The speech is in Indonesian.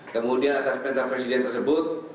kemudian atas penterpresiden tersebut